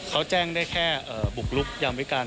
เขาแจ้งได้แค่บุกลุกยามวิการ